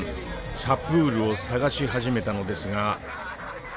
サプールを探し始めたのですが。